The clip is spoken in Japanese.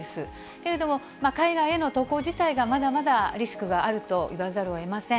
けれども、海外への渡航自体がまだまだリスクがあると言わざるをえません。